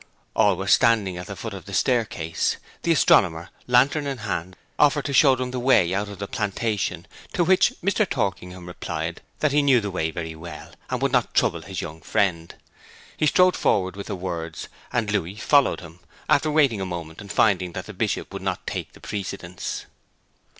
All were standing at the foot of the staircase. The astronomer, lantern in hand, offered to show them the way out of the plantation, to which Mr. Torkingham replied that he knew the way very well, and would not trouble his young friend. He strode forward with the words, and Louis followed him, after waiting a moment and finding that the Bishop would not take the precedence.